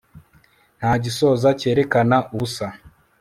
nta gisoza cyerekana ubusa